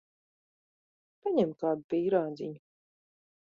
Paņem kādu pīrādziņu.